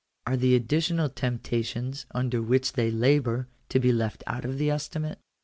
Are the additional tempta tions under which they labour to be left out of the estimate